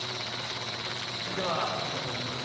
では２つ目の項目です。